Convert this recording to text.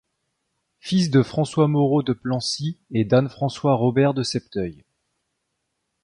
Fils de François Moreau de Plancy, et d'Anne François Robert de Septeuil.